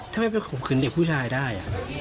ทำไมไปข่มขืนเด็กผู้ชายได้